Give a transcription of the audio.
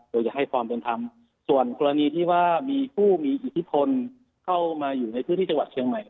โดยจะให้ความเป็นธรรมส่วนกรณีที่ว่ามีผู้มีอิทธิพลเข้ามาอยู่ในพื้นที่จังหวัดเชียงใหม่